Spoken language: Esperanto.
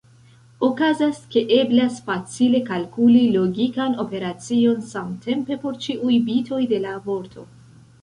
Okazas ke eblas facile kalkuli logikan operacion samtempe por ĉiuj bitoj de la vorto.